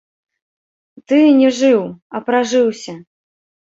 Ты не жыў, а пражыўся.